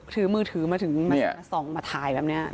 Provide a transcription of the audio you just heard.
ถือมือถือมาถึงมาส่องมาถ่ายแบบนี้